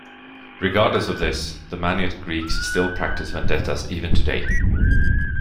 Regardless of this, the Maniot Greeks still practice vendettas even today.